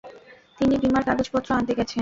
তিনি বীমার কাগজপত্র আনতে গেছেন।